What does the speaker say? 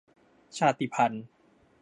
ชาติพันธุ์